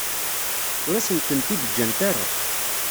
Ur asent-tent-id-ǧǧant ara.